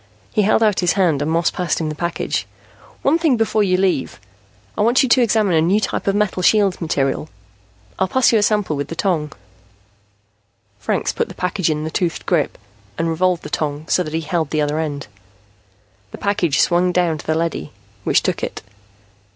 He held out his hand and Moss passed him the package. "One thing before you leave. I want you to examine a new type of metal shield material. I'll pass you a sample with the tong." Franks put the package in the toothed grip and revolved the tong so that he held the other end. The package swung down to the leady, which took it.